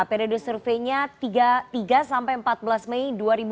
periode surveinya tiga sampai empat belas mei dua ribu dua puluh